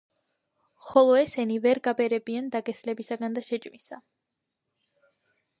ხოლო ესენი ვერ გაბერებიან დაგესლებისაგან და შეჭმისა.